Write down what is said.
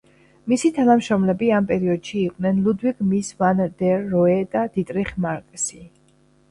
მისი თანამშრომლები ამ პერიოდში იყვნენ ლუდვიგ მის ვან დერ როე და დიტრიხ მარკსი.